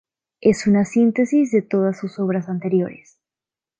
Es una síntesis de todas sus obras anteriores.